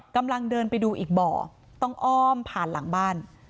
กำลังเดินไปดูอีกบ่อต้องอ้อมผ่านหลังบ้าน